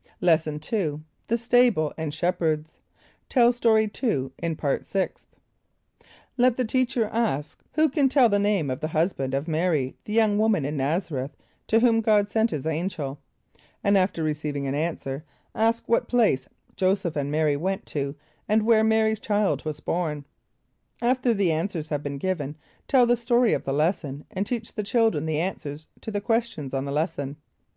= Lesson II. The Stable and Shepherds. (Tell Story 2 in Part Sixth.) Let the teacher ask, "Who can tell the name of the husband of M[=a]´r[)y], the young woman in N[)a]z´a r[)e]th to whom God sent his angel?" And after receiving an answer ask What place J[=o]´[s+]eph and M[=a]´r[)y] went to and where M[=a]´r[)y]'s child was born? After the answers have been given, tell the story of the lesson and teach the children the answers to the questions on the lesson.